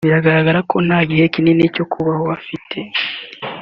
Biragaragara ko nta gihe kinini cyo kubaho afite